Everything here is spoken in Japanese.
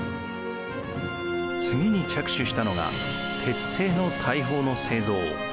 次に着手したのが鉄製の大砲の製造。